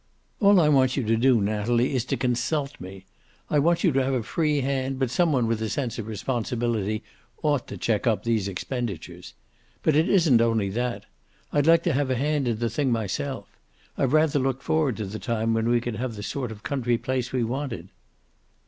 "All I want you to do, Natalie, is to consult me. I want you to have a free hand, but some one with a sense of responsibility ought to check up these expenditures. But it isn't only that. I'd like to have a hand in the thing myself. I've rather looked forward to the time when we could have the sort of country place we wanted."